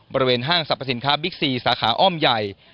ห้างสรรพสินค้าบิ๊กซีสาขาอ้อมใหญ่